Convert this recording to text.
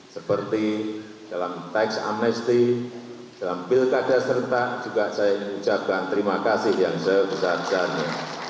seperti dalam teks amnesti dalam pilkada serta juga saya ingin ucapkan terima kasih yang sebesar besarnya